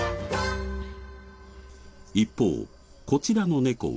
一方こちらの猫は。